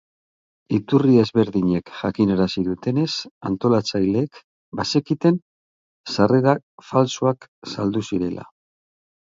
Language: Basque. Iturri ezberdinek jakinarazi dutenez, antolatzaileek bazekiten sarrera faltsuak saldu zirela.